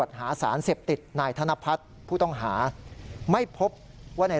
ดำเนินขดีทางกฎหมายต่อไป